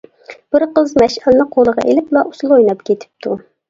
بىر قىز مەشئەلنى قولىغا ئېلىپلا ئۇسۇل ئويناپ كېتىپتۇ.